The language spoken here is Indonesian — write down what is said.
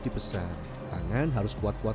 dipesan tangan harus kuat kuat